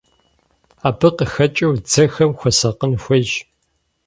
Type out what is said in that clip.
Абы къыхэкӀыу дзэхэм хуэсакъын хуейщ.